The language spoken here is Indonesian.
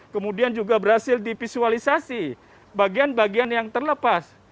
kemudian juga berhasil divisualisasi bagian bagian yang terlepas